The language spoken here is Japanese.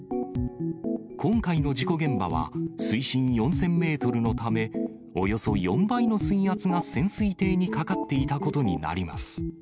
今回の事故現場は、水深４０００メートルのため、およそ４倍の水圧が潜水艇にかかっていたことになります。